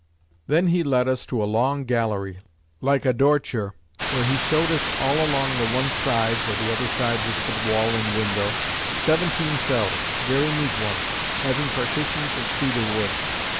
Then he led us to a long gallery, like a dorture, where he showed us all along the one side (for the other side was but wall and window), seventeen cells, very neat ones, having partitions of cedar wood.